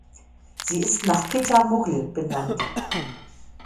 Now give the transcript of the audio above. Sie ist nach „Pitter Muggel“ benannt.